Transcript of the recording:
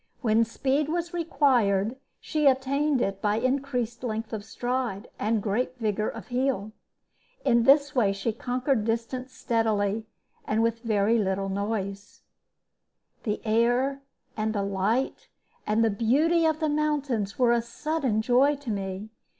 When speed was required, she attained it by increased length of stride and great vigor of heel. In this way she conquered distance steadily, and with very little noise. The air, and the light, and the beauty of the mountains were a sudden joy to me.